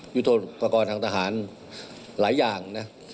ยุทธุประกอบทางทหารหลายอย่าง๕๐